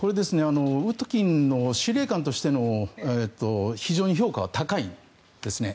ウトキンの司令官としての非常に評価が高いんですね。